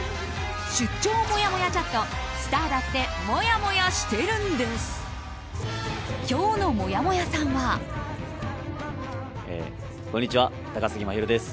出張もやもやチャットスターだってもやもやしてるんです！！